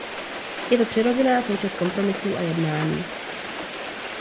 Je to přirozená součást kompromisů a jednání.